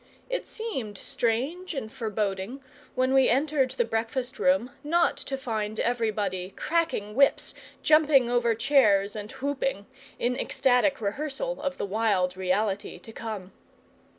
It seemed strange and foreboding, when we entered the breakfast room, not to find everybody cracking whips, jumping over chairs, and whooping. In ecstatic rehearsal of the wild reality to come.